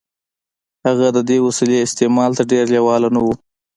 هغه د دې وسیلې استعمال ته ډېر لېوال نه و